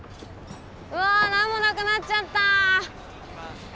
うわなんもなくなっちゃった。